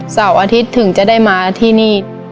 เสาร์อาทิตย์ถึงจะได้มาที่นี่